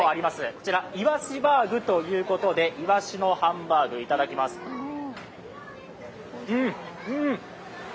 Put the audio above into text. こちら、いわしバーグということでいわしのハンバーグ、いただきますうん、うーん！